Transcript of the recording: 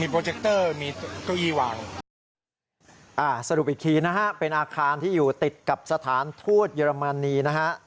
เป็นอาคารที่อยู่ติดกับสถานทูตเยอรมนีนะครับ